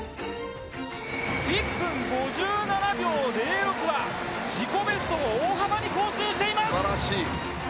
１分５７秒０６は自己ベストを大幅に更新しています！